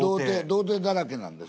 童亭だらけなんです。